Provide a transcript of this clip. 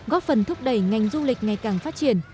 góp phần thúc đẩy ngành du lịch ngày càng phát triển